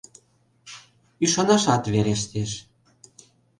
Ӱшанашат верештеш.